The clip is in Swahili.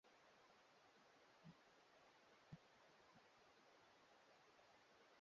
aka ni mia moja nukta tano fm